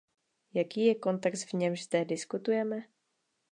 Jaký je kontext, v němž zde diskutujeme?